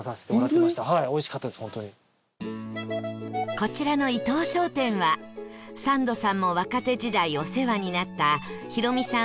こちらの伊藤商店はサンドさんも若手時代お世話になったヒロミさん